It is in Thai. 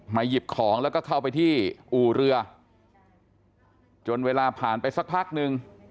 หยิบของแล้วก็เข้าไปที่อู่เรือจนเวลาผ่านไปสักพักนึง